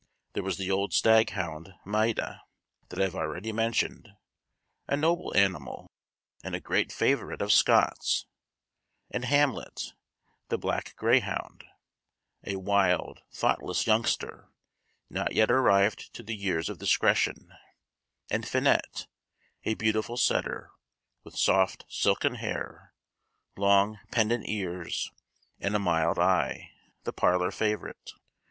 There was the old stag hound Maida, that I have already mentioned, a noble animal, and a great favorite of Scott's, and Hamlet, the black greyhound, a wild, thoughtless youngster, not yet arrived to the years of discretion; and Finette, a beautiful setter, with soft, silken hair, long pendent ears, and a mild eye, the parlor favorite.